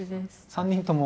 ３人とも。